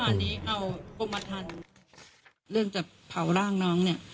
เอาปรุงมาทันเรื่องจับเผาร่างน้องเนี้ย